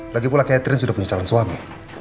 lagi pula catherine sudah punya calon suami